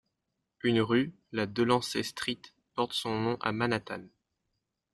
Une rue, la Delancey Street, porte son nom à Manhattan.